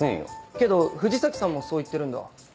けど藤崎さんもそう言ってるんだ。